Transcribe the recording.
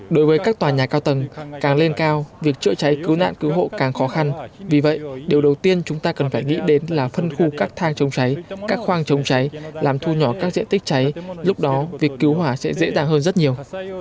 đối với các tòa nhà cao tầng càng lên cao việc chữa cháy cứu nạn cứu hộ càng khó khăn vì vậy điều đầu tiên chúng ta cần phải nghĩ đến là phân khu các thang chống cháy các khoang chống cháy làm thu nhỏ các diện tích cháy lúc đó việc cứu hỏa sẽ dễ dàng hơn rất nhiều